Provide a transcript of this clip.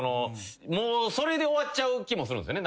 もうそれで終わっちゃう気もするんすよね